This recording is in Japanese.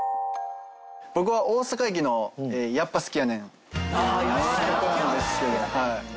僕は大阪駅の『やっぱ好きやねん』。